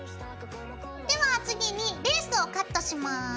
では次にレースをカットします。ＯＫ！